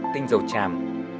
tinh dầu chàm